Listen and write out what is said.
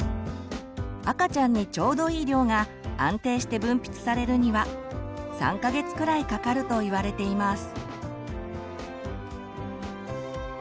赤ちゃんにちょうどいい量が安定して分泌されるには３か月くらいかかるといわれています。